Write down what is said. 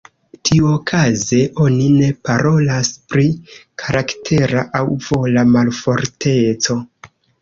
Tiuokaze, oni ne parolas pri karaktera aŭ vola malforteco.